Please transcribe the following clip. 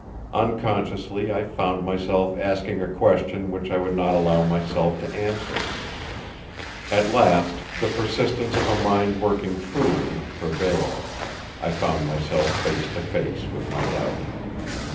Unconsciously I found myself asking a question which I would not allow myself to answer. At last the persistence of a mind working truly prevailed; I found myself face to face with my doubt.